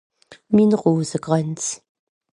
min Rosegrànz